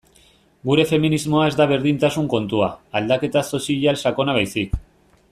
Gure feminismoa ez da berdintasun kontua, aldaketa sozial sakona baizik.